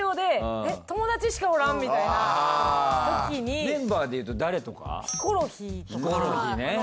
ああメンバーで言うと誰とか？